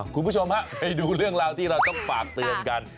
คุณผู้ชมฮะไปดูเรื่องราวที่เราต้องฝากเตือนกัน